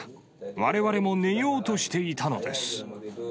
われわれも寝ようとしていたのです。